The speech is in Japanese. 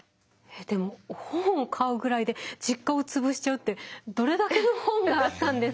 でも本を買うぐらいで実家を潰しちゃうってどれだけの本があったんですか？